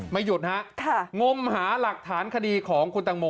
ไม่หยุดนะครับงมหาหลักฐานคดีของคุณตังโม